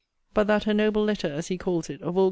'But that her noble letter,' as he calls it, of Aug.